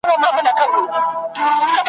مور چي درخانۍ وي، لور به یې ښاپیرۍ وي ,